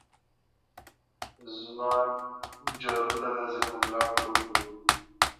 ځوان جارو ته داسې په ملا کړوپ و